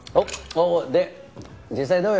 おおで実際どうよ？